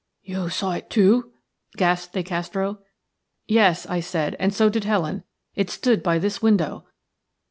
"You saw it too?" gasped De Castro. "Yes," I said, "and so did Helen. It stood by this window."